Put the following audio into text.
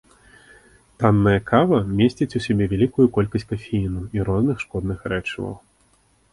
Танная кава месціць у сябе вялікую колькасць кафеіну і розных шкодных рэчываў.